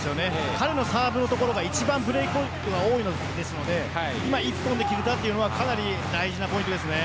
彼のサーブが一番ブレークポイントが多いので今、２本で決めたというのは大事なポイントですね。